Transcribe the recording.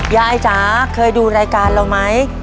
จ๋าเคยดูรายการเราไหม